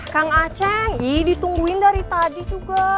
kang aceh ii ditungguin dari tadi juga